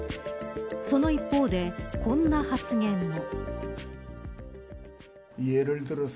その一方で、こんな発言も。